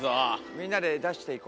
みんなで出していこう。